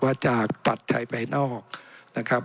จากปัจจัยภายนอกนะครับ